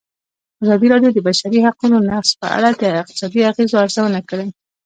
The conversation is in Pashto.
ازادي راډیو د د بشري حقونو نقض په اړه د اقتصادي اغېزو ارزونه کړې.